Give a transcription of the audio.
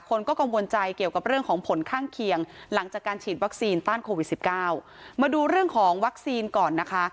คนก็กังวลใจเกี่ยวกับเรื่องของผลข้างเคียงหลังจากการฉีดวัคซีนต้านโควิดสิบเก้ามาดูเรื่องของวัคซีนก่อนนะคะ